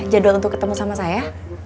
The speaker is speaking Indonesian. jadwal untuk ketemu sama saya